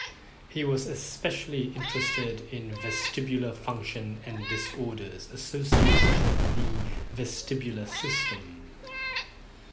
He was especially interested in vestibular function and disorders associated with the vestibular system.